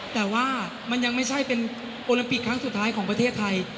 แต่ว่ามันยังไม่ใช่เป็นโอลิมปิกครั้งสุดท้ายของประเทศไทย